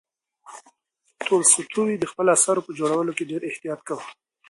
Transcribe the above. تولستوی د خپلو اثارو په جوړولو کې ډېر احتیاط کاوه.